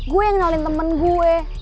gue yang kenalin temen gue